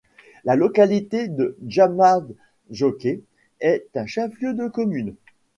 La localité de Djamadjoké est un chef-lieu de commune.